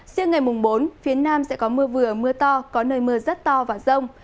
riêng ngày mùng bốn phía nam sẽ có mưa vừa mưa to có nơi mưa rất to và rông